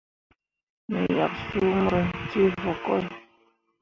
Me yak suu mur ceevǝkoi.